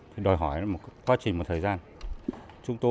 thì đòi hỏi là một quá trình một thời gian